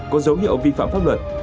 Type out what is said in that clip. có dấu hiệu vi phạm pháp luật